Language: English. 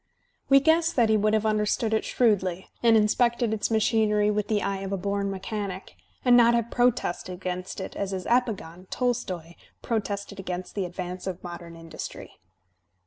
We guess that he would have understood it shrewdly and inspected its machinery with the eye of a bom mechanic, and not have protested against it as his epigone, Tolstoy, protested against the advance of modem industry.